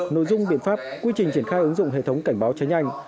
nội dung biện pháp quy trình triển khai ứng dụng hệ thống cảnh báo cháy nhanh